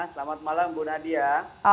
selamat malam bu nadia